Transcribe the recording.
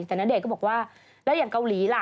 แต่ณเดชน์ก็บอกว่าแล้วอย่างเกาหลีล่ะ